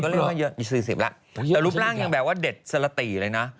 เรียกว่าเยอะ๔๐แล้วแต่รูปร่างยังแบบว่าเด็ดสลติเลยนะ